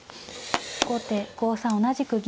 後手５三同じく銀。